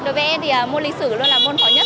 đối với em thì môn lịch sử luôn là môn khó nhất